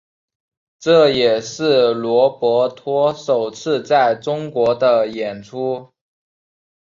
这也是罗伯托首次在中国的演出。